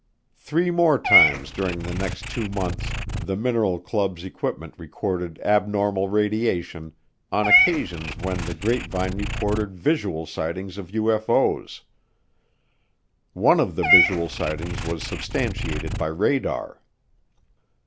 Three more times during the next two months the "mineral club's" equipment recorded abnormal radiation on occasions when the grapevine reported visual sightings of UFO's. One of the visual sightings was substantiated by radar.